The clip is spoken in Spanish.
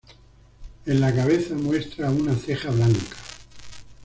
En la cabeza muestra una ceja blanca.